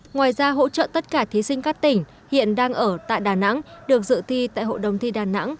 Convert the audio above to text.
ngoài ra hỗ trợ tất cả thí sinh các tỉnh hiện đang ở tại đà nẵng được dự thi tại hội đồng thi đà nẵng